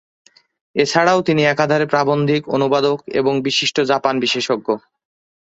এ ছাড়াও তিনি একাধারে প্রাবন্ধিক, অনুবাদক এবং বিশিষ্ট জাপান-বিশেষজ্ঞ।